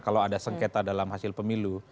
kalau ada sengketa dalam hasil pemilu